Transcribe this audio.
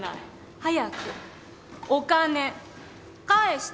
早くお金返して！